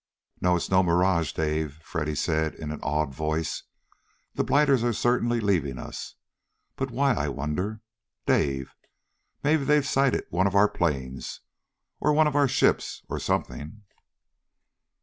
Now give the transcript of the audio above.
"No, it's no mirage, Dave," Freddy said in an awed voice. "The blighters are certainly leaving us. But why, I wonder? Dave! Maybe they've sighted one of our planes, or one of our ships, or something!"